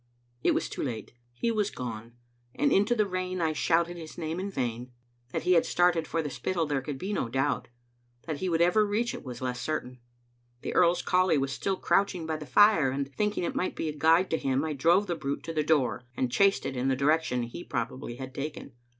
I was too late. He was gone, and into the rain I shouted his name in vain. That he had started for the Spittal there could be no doubt; that he would ever reach it was less certain. The earl's collie was still crouching by the fire, and, thinking it might be a guide to him, I drove the brute to the door, and chased it in the direction he probably had taken.